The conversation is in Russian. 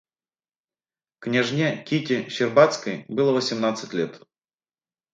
Княжне Кити Щербацкой было восьмнадцать лет.